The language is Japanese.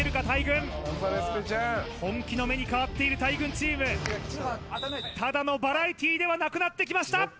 大群本気の目に変わっている大群チームただのバラエティーではなくなってきました